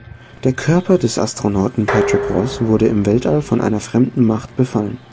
Der Körper des Astronauten Patrick Ross wird im Weltall von einer fremden Macht befallen.